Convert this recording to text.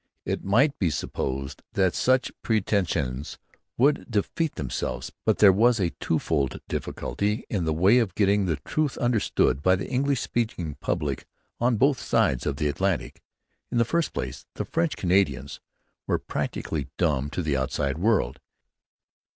It might be supposed that such pretensions would defeat themselves. But there was a twofold difficulty in the way of getting the truth understood by the English speaking public on both sides of the Atlantic. In the first place, the French Canadians were practically dumb to the outside world.